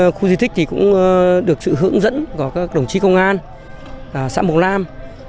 đến khu du tích thì cũng được sự hướng dẫn của các đồng chí công an xã bồn lam